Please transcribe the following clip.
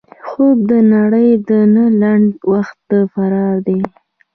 خوب د نړۍ نه لنډ وخت فرار دی